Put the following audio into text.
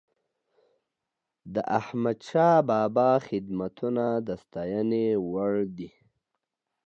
د احمدشاه بابا خدمتونه د ستايني وړ دي.